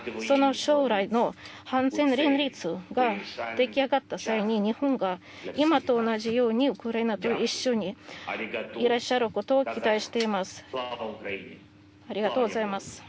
その将来の反戦連立が出来上がった際に日本が今と同じようにウクライナと一緒にいらっしゃることを期待しています。